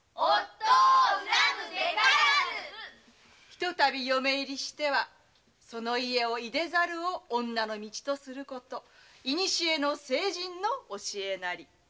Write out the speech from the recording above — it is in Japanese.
「ひとたび嫁入りしてはその家をいでざるを女の道とすること古の聖人の訓なり」